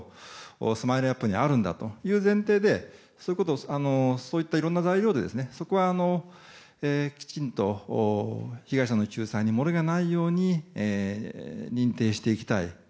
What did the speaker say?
ＳＭＩＬＥ‐ＵＰ．にあるんだという前提でそういった、いろんな材料でそこはきちんと被害者の救済に漏れがないように認定していきたい。